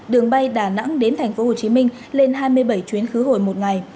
đường bay đà nẵng đến tp hcm lên hai mươi bảy chuyến khứ hồi một ngày